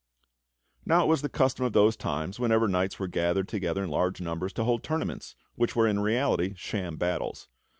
Now it was the custom of those times, whenever knights were gathered together in large numbers, to hold tournaments, which were in reality sham battles.